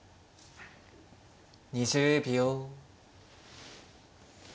２０秒。